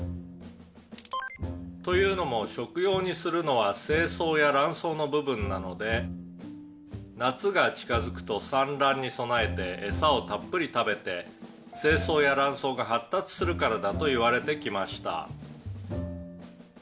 「というのも食用にするのは精巣や卵巣の部分なので夏が近づくと産卵に備えてエサをたっぷり食べて精巣や卵巣が発達するからだといわれてきました」